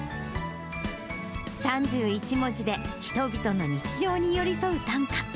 ３１文字で人々の日常に寄り添う短歌。